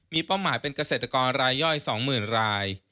มีเป้าหมายเป็นเกษตรกรรายย่อย๒๐๐๐ราย